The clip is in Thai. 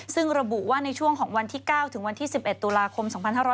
ซึ่งระบุว่าในช่วงของวันที่๙ถึงวันที่๑๑ตุลาคม๒๕๖๐